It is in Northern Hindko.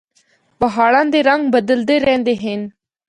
پہاڑاں دے رنگ بدلدے رہندے ہن۔